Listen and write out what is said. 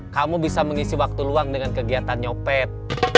kamu bisa mengisi waktu luang dengan kegiatan nyopet